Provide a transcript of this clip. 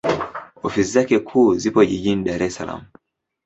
Ofisi zake kuu zipo Jijini Dar es Salaam.